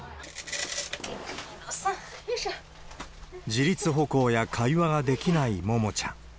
自立歩行や会話ができないももちゃん。